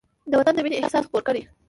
د وطن د مینې احساس خپور کړئ.